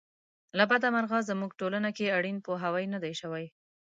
له بده مرغه زموږ ټولنه کې اړین پوهاوی نه دی شوی.